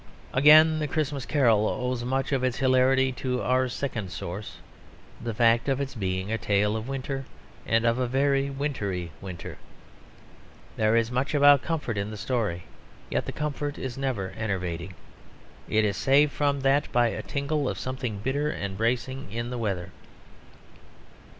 Again, The Christmas Carol owes much of its hilarity to our second source the fact of its being a tale of winter and of a very wintry winter. There is much about comfort in the story; yet the comfort is never enervating: it is saved from that by a tingle of something bitter and bracing in the weather.